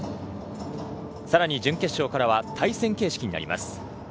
更に準決勝からは対戦形式になります。